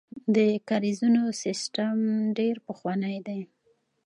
د کاریزونو سیسټم ډیر پخوانی دی